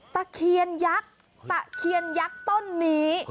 ตะเคียนยักษ์ตะเคียนยักษ์ต้นนี้